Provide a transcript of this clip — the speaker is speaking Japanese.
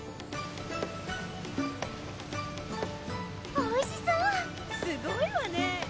おいしそうすごいわね